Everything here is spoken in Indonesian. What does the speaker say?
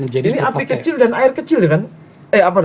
jadi api kecil dan air kecil dengan